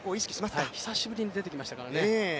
久しぶりに出てきましたからね。